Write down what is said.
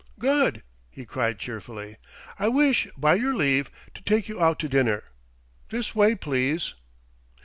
"Good!" he cried cheerfully. "I wish, by your leave, to take you out to dinner.... This way, please!"